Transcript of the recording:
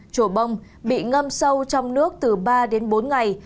chùa bông bị ngâm sâu trong nước từ ba đến bốn ngày